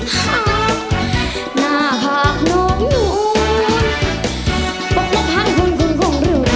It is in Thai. หน้าผักนมนูนป็บหังกุลเรื่อย